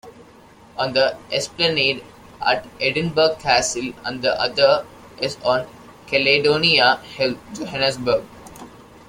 On the esplanade at Edinburgh Castle and the other is on Caledonia Hill, Johannesburg.